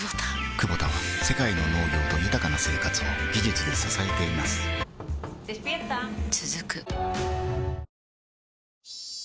クボタは世界の農業と豊かな生活を技術で支えています起きて。